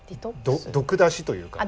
毒出しというか。